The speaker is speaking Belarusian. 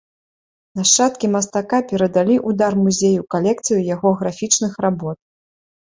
Нашчадкі мастака перадалі ў дар музею калекцыю яго графічных работ.